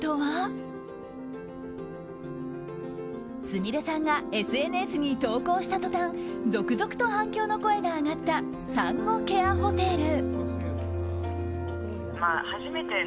すみれさんがＳＮＳに投稿した途端続々と反響の声が上がった産後ケアホテル。